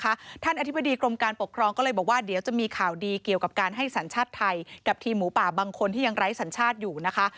ท่านอธิบดีกรมการปกครองก็เลยบอกว่าเดี๋ยวจะมีข่าวดีเกี่ยวกับการให้สัญชาติไทยกับทีมหมูป่าบางคนที่ยังไร้สัญชาติอยู่นะคะ